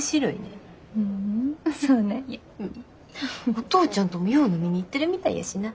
お父ちゃんともよう飲みに行ってるみたいやしな。